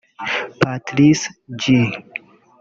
Patrice G